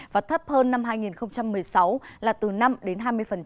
và thấp hơn năm hai nghìn một mươi sáu là từ năm đến hai mươi